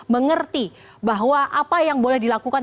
mengerti bahwa apa yang boleh dilakukan